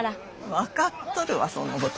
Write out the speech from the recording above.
分かっとるわそんなこと。